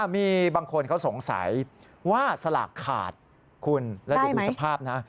มีบางคนเขาสงสัยว่าสลากขาดคุณแล้วดูสภาพนะ